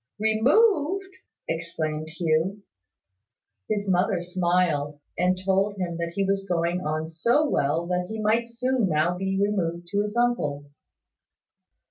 "Removed!" exclaimed Hugh. His mother smiled, and told him that he was going on so well that he might soon now be removed to his uncle's.